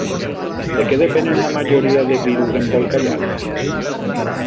De què depenen la majoria de virus embolcallats?